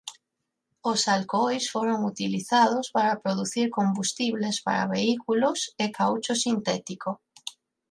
Os alcohois foron utilizados para producir combustibles para vehículos e caucho sintético.